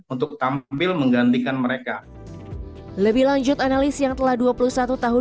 untuk tampil menggandikan mereka lebih lanjut analis yang telah dua puluh satu tahun berkiprah di perusahaan